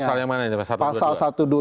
pasal yang mana itu pak